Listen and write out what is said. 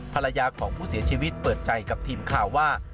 ภรรยาของผู้เสียชีวิตเปิดใจกับทีมข่าวว่า